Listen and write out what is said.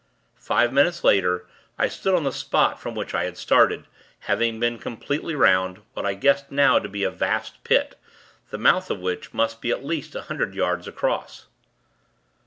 Five minutes later, I stood on the spot from which I had started; having been completely 'round, what I guessed now to be a vast pit, the mouth of which must be at least a hundred yards across.